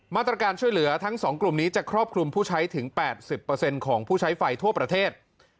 มาตรการช่วยเหลือทั้ง๒กลุ่มนี้จะครอบคลุมผู้ใช้ถึง๘๐ของผู้ใช้ไฟทั่วประเทศ